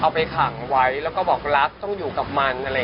เอาไปขังไว้แล้วก็บอกรักต้องอยู่กับมัน